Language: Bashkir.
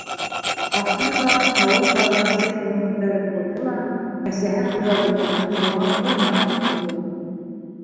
Ахырҙа һыуып барған сәй төбөн күтәреп ҡуйҙы ла кәсәһен хужабикәнең һуҙылған ҡулына тотторҙо.